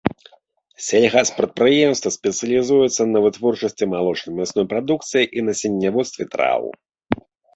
Сельгаспрадпрыемства спецыялізуецца на вытворчасці малочна-мясной прадукцыі і насенняводстве траў.